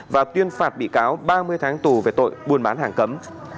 và tuyên phạt bị cáo ba mươi tháng tù về tội buôn bán hàng cấm